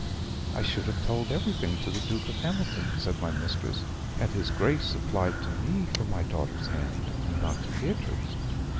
"I should have told everything to the Duke of Hamilton," said my mistress, "had his Grace applied to me for my daughter's hand, and not to Beatrix.